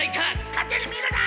勝手に見るな！